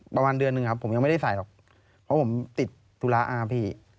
เพราะผมติดธุระอาพี่